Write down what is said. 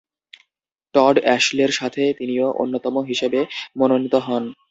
Todd অ্যাশলে’র সাথে তিনিও অন্যতম হিসেবে মনোনীত হন।